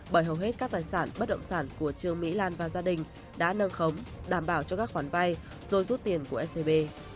bởi hầu hết các tài sản bất động sản của trương mỹ lan và gia đình đã nâng khống đảm bảo cho các khoản vay rồi rút tiền của scb